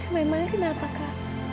memangnya kenapa kak